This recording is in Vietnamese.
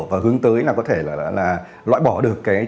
và hướng tới là có thể là loại bỏ được cái tình trạng